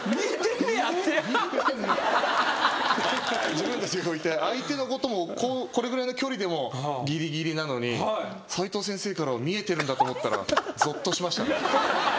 自分たちいて相手のこともこれぐらいの距離でもぎりぎりなのに斉藤先生からは見えてるんだと思ったらぞっとしました。